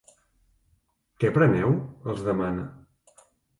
Què preneu? —els demana.